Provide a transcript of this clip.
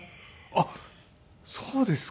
あっそうですか。